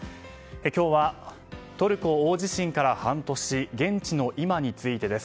今日はトルコ大地震から半年、現地の今についてです。